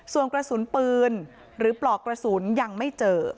ส่วนกระสุนปืนหรือปลอกกระสุนยังไม่เจอ